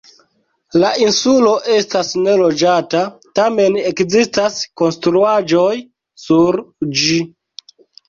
La insulo estas neloĝata, tamen ekzistas konstruaĵoj sur ĝi.